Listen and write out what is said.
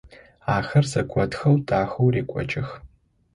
Ахэр зэготхэу дахэу рекӏокӏых.